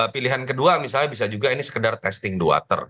pilihan kedua misalnya bisa juga ini sekedar testing the water